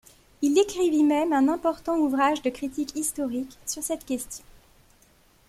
Il écrivit même un important ouvrage de critique historique sur cette question.